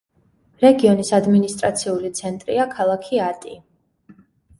რეგიონის ადმინისტრაციული ცენტრია ქალაქი ატი.